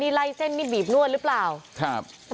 นี่ไล่เส้นนี่บีบนวดหรือเปล่าครับ